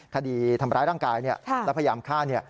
คดีทำร้ายร่างกายและพยายามฆ่า